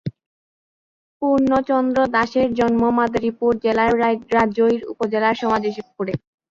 পূর্ণচন্দ্র দাসের জন্ম মাদারিপুর জেলার রাজৈর উপজেলার সমাজ ইশিবপুরে।